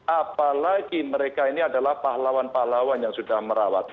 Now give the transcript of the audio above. apalagi mereka ini adalah pahlawan pahlawan yang sudah merawat